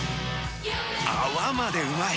泡までうまい！